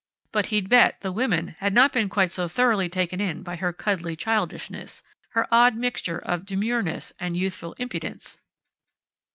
But he'd bet the women had not been quite so thoroughly taken in by her cuddly childishness, her odd mixture of demureness and youthful impudence!